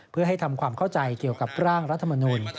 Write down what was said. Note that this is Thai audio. เพื่อให้ทำความเข้าใจเกี่ยวกับร่างรัฐมนุน